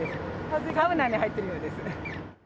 サウナに入ってるようです。